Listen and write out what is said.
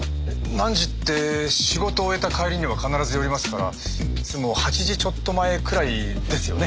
何時って仕事終えた帰りには必ず寄りますからいつも８時ちょっと前くらいですよね？